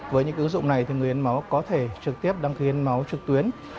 với những ứng dụng này thì người hiến máu có thể trực tiếp đăng ký hiến máu trực tuyến